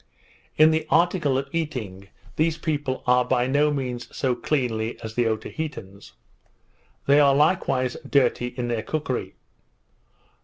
In the article of eating, these people are by no means so cleanly as the Otaheiteans. They are likewise dirty in their cookery.